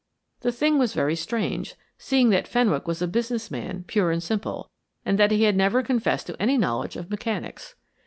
The thing was very strange, seeing that Fenwick was a business man pure and simple, and that he had never confessed to any knowledge of mechanics.